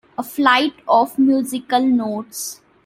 A flight of musical notes.